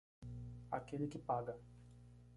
Aquele que paga.